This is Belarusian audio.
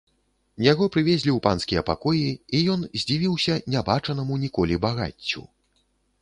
Яго прывезлі ў панскія пакоі, і ён здзівіўся не бачанаму ніколі багаццю.